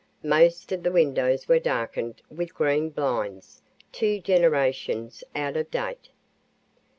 Most of the windows were darkened with green blinds two generations out of date.